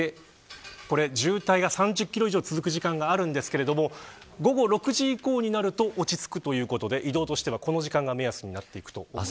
渋滞が３０キロ以上続く時間帯があるんですけど午後６時以降になると落ち着くということで、移動としてはこの時間が目安になっていくと思います。